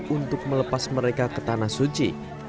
untuk melepas mereka ke tanah suci